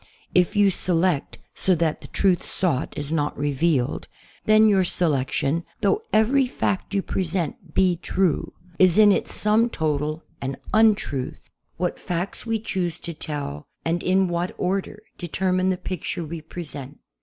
If you select so that the truth sought is not revealed, then your selection, though every fact you present be true, is in its sum total an un truth. What facts we choose to tell, and in what order, determine the picture we i)resent.